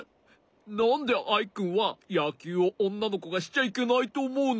なんでアイくんはやきゅうをおんなのこがしちゃいけないとおもうの？